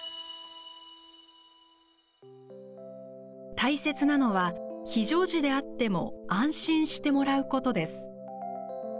大切なのは非常時であっても安心してもらうことです。